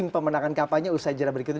pemilih yang usia di bawah tiga puluh tahun